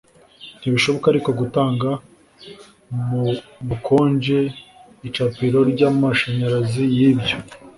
ntibishoboka, ariko, gutanga mubukonje icapiro ryamashanyarazi yibyo